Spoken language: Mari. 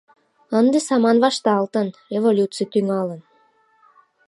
Ынде саман вашталтын, революций тӱҥалын.